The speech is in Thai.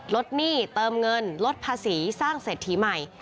หนี้เติมเงินลดภาษีสร้างเศรษฐีใหม่